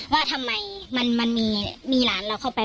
ว่าทำไมมันมีหลานเราเข้าไป